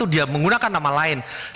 jadi kita harus menggunakan nama yang berbeda